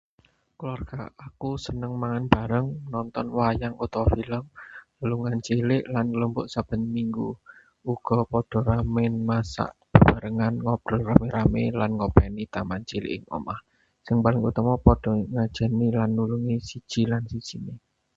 Keluarga aku seneng mangan bareng, nonton wayang utawa film, lelungan cilik, lan nglumpuk saben Minggu. Uga padha remen masak bebarengan, ngobrol rame-rame, lan ngopeni taman cilik ing omah. Sing paling utama: padha ngajeni lan nulungi siji lan sijine.